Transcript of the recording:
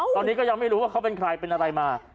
ตอนนี้ก็ยังไม่รู้ว่าเขาเป็นใครเป็นอะไรมา